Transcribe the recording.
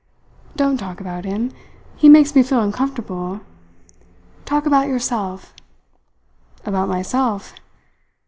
"Don't talk about him. He makes me feel uncomfortable. Talk about yourself!" "About myself?